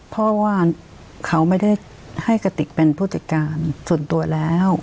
เพราะว่าเขาไม่ได้ให้กระติกเป็นผู้จัดการส่วนตัวแล้ว